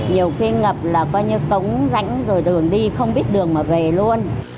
nhiều khi ngập là coi như cống rãnh rồi đường đi không biết đường mà về luôn